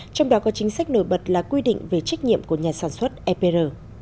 trong đó có chính sách nổi bật là quy định về trách nhiệm của nhà sản xuất epr